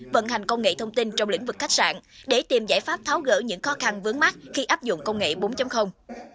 vận hành công nghệ thông tin trong lĩnh vực khách sạn để tìm giải pháp tháo gỡ những khó khăn vướng mắt khi áp dụng công nghệ bốn